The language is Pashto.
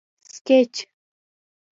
سکیچ